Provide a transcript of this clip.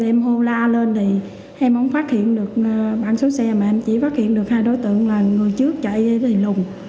em hô la lên thì em không phát hiện được bảng số xe mà em chỉ phát hiện được hai đối tượng là người trước chạy lên thì lùng